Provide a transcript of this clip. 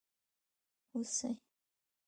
🦌 هوسي